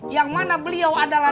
yang mana beliau adalah